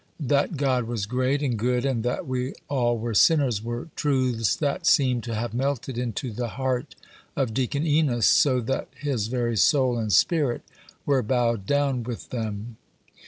That God was great and good, and that we all were sinners, were truths that seemed to have melted into the heart of Deacon Enos, so that his very soul and spirit were bowed down with them.